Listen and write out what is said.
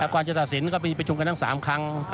ก่อนจะตัดสินก็มีประชุมกันทั้ง๓ครั้ง